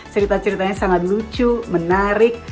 cerita ceritanya sangat lucu menarik